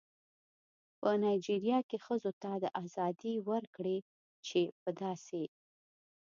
په نایجیریا کې ښځو ته دا ازادي ورکړې چې په داسې